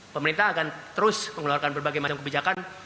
pemerintah akan terus mengeluarkan berbagai macam kebijakan